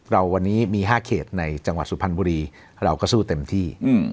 เราวันนี้มี๕เขตในจังหวัดสุพรรณบุรีเราก็สู้เต็มที่